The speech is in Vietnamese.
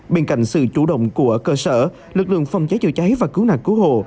bên cạnh sự chủ động của cơ sở lực lượng phòng cháy chữa cháy và cứu nạc cứu hồ